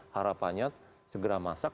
harapannya segera masak